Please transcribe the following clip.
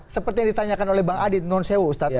seperti yang ditanyakan oleh bang adit nonsewo ustadz